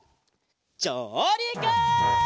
じょうりく！